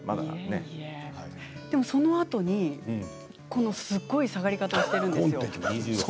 でもそのあとに、すごい下がり方をしているんですよ。